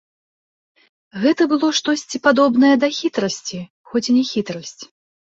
Гэта было штосьці падобнае да хітрасці, хоць і не хітрасць.